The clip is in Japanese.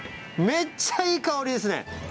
めっちゃいい香りですね。